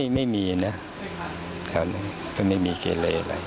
ไม่มีนะแถวนี้ไม่มีเกลใดอะไร